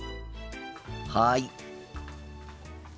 はい。